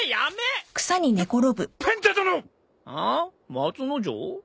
松之丞。